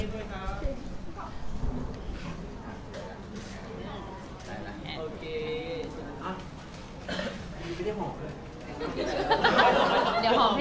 สวัสดีครับ